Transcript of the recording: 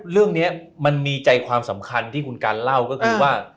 เรื่องนี้มันมีใจความสำคัญที่คุณกันเล่าก็คือว่า